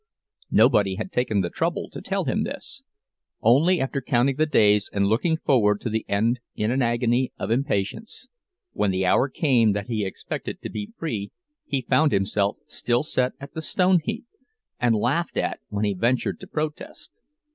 Nobody had taken the trouble to tell him this—only after counting the days and looking forward to the end in an agony of impatience, when the hour came that he expected to be free he found himself still set at the stone heap, and laughed at when he ventured to protest.